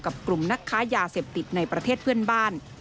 กลุ่มนักค้ายาเสพติดในประเทศเพื่อนบ้าน